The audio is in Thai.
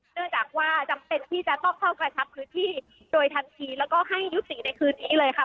เนื่องจากว่าจำเป็นที่จะต้องเข้ากระชับพื้นที่โดยทันทีแล้วก็ให้ยุติในคืนนี้เลยค่ะ